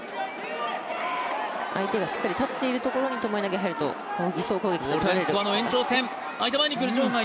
相手がしっかり立っているところに巴投が入ると、偽装攻撃ととれる。